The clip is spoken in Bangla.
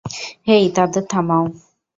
হেই, তাদের থামাও।